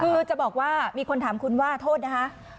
คือจะบอกว่ามีคนถามคุณว่าโทษนะคะ